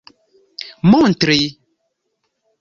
montri